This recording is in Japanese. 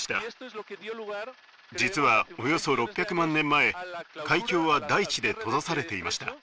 実はおよそ６００万年前海峡は大地で閉ざされていました。